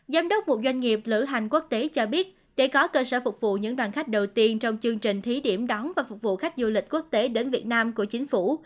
giám đốc một doanh nghiệp lữ hành quốc tế cho biết để có cơ sở phục vụ những đoàn khách đầu tiên trong chương trình thí điểm đón và phục vụ khách du lịch quốc tế đến việt nam của chính phủ